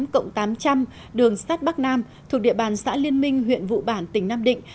kmh chín mươi tám tám trăm linh đường sắt bắc nam thuộc địa bàn xã liên minh huyện vụ bản tỉnh nam định